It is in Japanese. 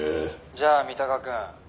「じゃあ三鷹くん」